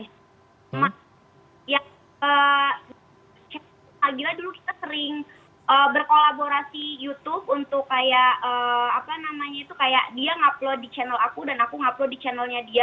ya gila dulu kita sering berkolaborasi youtube untuk kayak apa namanya itu kayak dia upload di channel aku dan aku upload di channelnya dia